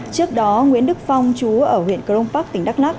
trước đó nguyễn đức phong chú ở huyện crong park tỉnh đắk lắc